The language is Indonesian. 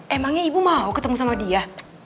emangnya ibu mau ketemu sama dia